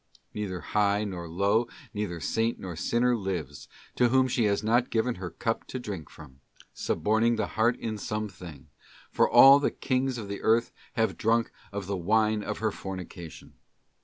'* Neither high nor low, neither saint nor sinner lives, to whom she has not given her cup to drink from, suborning the heart in some thing; for all the kings of the earth have drunk of the wine of her fornication.